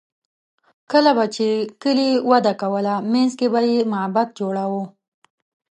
کله به چې کلي وده کوله، منځ کې به یې معبد جوړاوه.